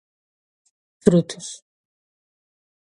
frutos